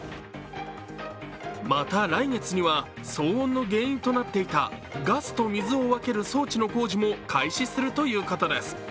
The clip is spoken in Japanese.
また、来月には騒音の原因となっていたガスと水を分ける装置の工事も開始するということです。